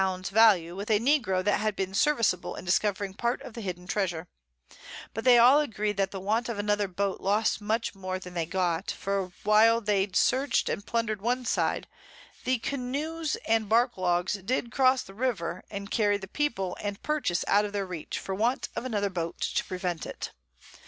_ Value, with a Negro that had been serviceable in discovering part of the hidden Treasure; but they all agree that the Want of another Boat lost much more than they got; for while they search'd and plunder'd one Side, the Canoes and Bark logs did cross the River, and carry the People and Purchase out of their reach, for want of another Boat to prevent it.